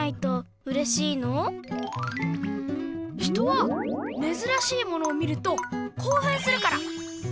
うん人はめずらしいものを見るとこうふんするから！